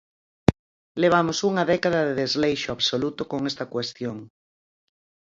Levamos unha década de desleixo absoluto con esta cuestión.